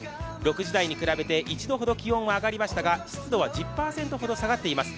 ６時台に比べて１度ほど気温は上がりましたが湿度は１０％ほど下がっています。